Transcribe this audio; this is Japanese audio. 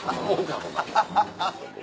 ハハハハ。